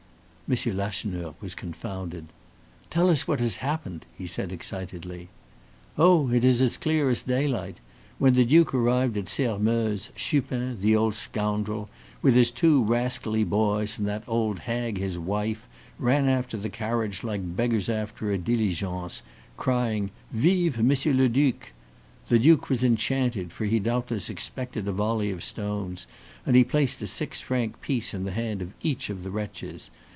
M. Lacheneur was confounded. "Tell us what has happened," he said, excitedly. "Oh, it is as clear as daylight. When the duke arrived at Sairmeuse, Chupin, the old scoundrel, with his two rascally boys, and that old hag, his wife, ran after the carriage like beggars after a diligence, crying, 'Vive Monsieur le Duc!' The duke was enchanted, for he doubtless expected a volley of stones, and he placed a six franc piece in the hand of each of the wretches.